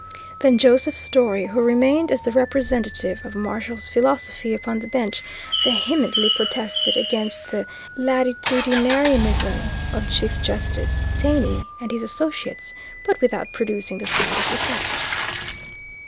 Then Joseph Story, who remained as the representative of Marshall's philosophy upon the bench, vehemently protested against the latitudinarianism of Chief Justice Taney and his associates, but without producing the slightest effect.